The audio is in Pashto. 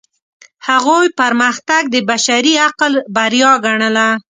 هغوی پرمختګ د بشري عقل بریا ګڼله.